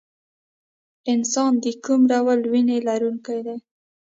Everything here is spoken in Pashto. انسان د کوم ډول وینې لرونکی دی